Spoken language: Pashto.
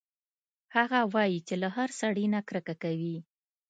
هغه وايي چې له هر سړي نه کرکه کوي